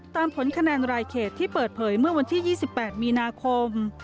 ตามผลคะแนนรายเขตที่เปิดเผยเมื่อวันที่๒๘มีนาคม